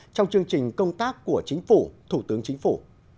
trong chương trình công tác của chính phủ thủ tướng chính phủ